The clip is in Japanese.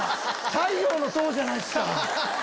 太陽の塔じゃないっすか！